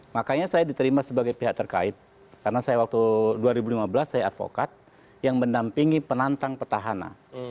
makanya saya diterima sebagai pihak terkait karena saya waktu dua ribu lima belas saya advokat yang mendampingi penantang petahana